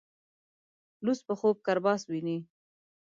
لڅ په خوب کرباس ويني.